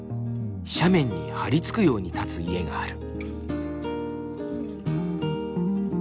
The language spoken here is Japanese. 斜面に張り付くように立つ家がある。